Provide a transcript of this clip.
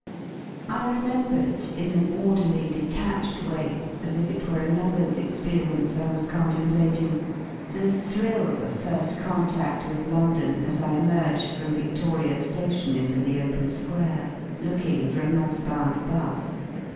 I remembered in an orderly detached way, as if it 7 were another's experience I was contemplating, the thrill / of firA contad with London as I emerged from Vidoria ' Station into the open square, looking for a north bound 'bus.